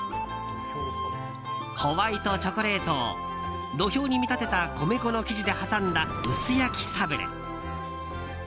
ホワイトチョコレートを土俵に見立てた米粉の生地で挟んだ薄焼きサブレ。